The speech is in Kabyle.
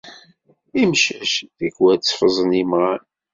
Imcac tikwal tteffẓen imɣan.